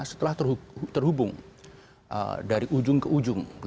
setelah terhubung dari ujung ke ujung